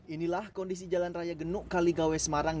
inilah kondisi jalan raya genuk kaligawe semarang